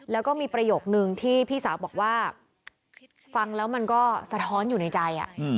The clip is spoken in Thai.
แล้วก็มีประโยคนึงที่พี่สาวบอกว่าฟังแล้วมันก็สะท้อนอยู่ในใจ